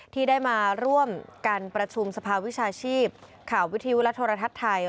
ที่ได้มาร่วมกันประชุมสภาวิชาชีพข่าววิทยุและโทรทัศน์ไทย